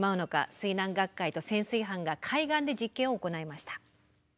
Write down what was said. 水難学会と潜水班が海岸で実験を行いました。